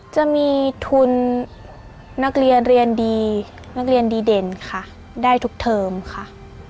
จะมีทุนนักเรียนเรียนดีนักเรียนดีเด่นค่ะได้ทุกเทอมค่ะ